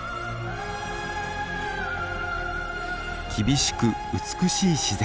厳しく美しい自然。